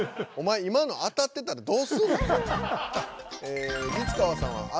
お前今の当たってたらどうすんの？